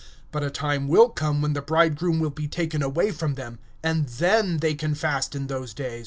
(20)But days will come, when the bridegroom will be taken from them; and then they will fast in that day.